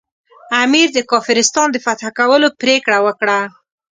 امیر د کافرستان د فتح کولو پرېکړه وکړه.